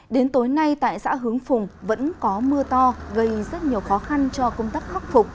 đến tối nay tại xã hướng phùng vẫn có mưa to gây rất nhiều khó khăn cho công tác khắc phục